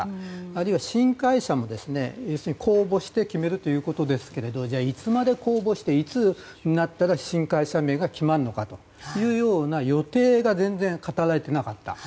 あるいは、新会社も公募して決めるということですけれどもじゃあ、いつまで公募していつになったら新会社名が決まるのかというような予定が全然語られていなかった。